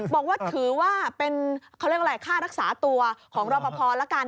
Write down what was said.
บอกว่าถือว่าเป็นค่ารักษาตัวของรอปภละกัน